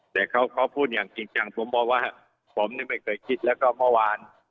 แต่เขาพูดอย่างจริงจังผมบอกว่าผมนี่ไม่เคยคิดแล้วก็เมื่อวาน